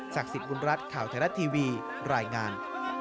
ศักดิ์สิทธิ์วุณรัฐข่าวแทนรัฐทีวีรายงาน